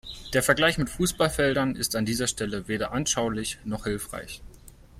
Der Vergleich mit Fußballfeldern ist an dieser Stelle weder anschaulich noch hilfreich.